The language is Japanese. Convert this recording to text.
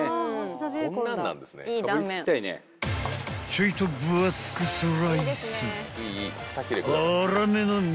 ［ちょいと分厚くスライス］